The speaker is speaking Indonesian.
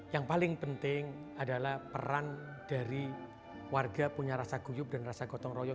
yang paling penting adalah peran dari warga punya rasa guyup dan rasa gotong royong